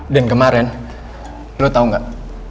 dan kemarin lo tau gak